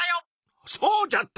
そうじゃった！